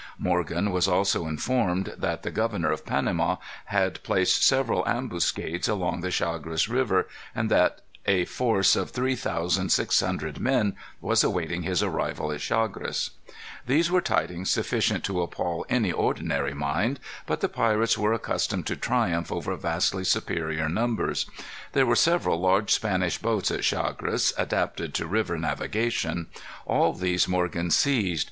Morgan was also informed that the governor of Panama had placed several ambuscades along the Chagres River, and that a force of three thousand six hundred men was awaiting his arrival at Chagres. These were tidings sufficient to appal any ordinary mind. But the pirates were accustomed to triumph over vastly superior numbers. There were several large Spanish boats at Chagres, adapted to river navigation. All these Morgan seized.